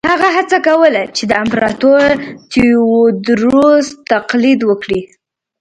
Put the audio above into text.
هغه هڅه کوله چې د امپراتور تیوودروس تقلید وکړي.